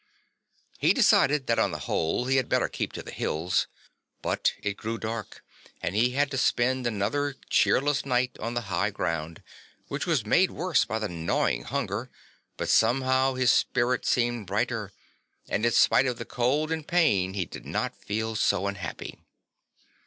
He decided that on the whole he had better keep to the hills, but it grew dark and he had to spend another cheerless night on the high ground, which was made worse by the gnawing hunger; but somehow his spirit seemed brighter, and in spite of the cold and pain he did not feel so unhappy.